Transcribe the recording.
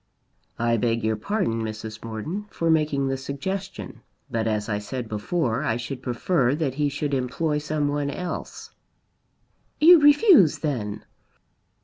"I beg your pardon, Mrs. Morton, for making the suggestion; but as I said before, I should prefer that he should employ some one else." "You refuse then?"